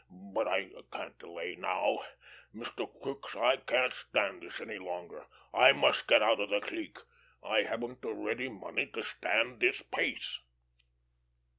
But I can't delay now.... Mr. Crookes, I can't stand this any longer. I must get out of the clique. I haven't the ready money to stand this pace."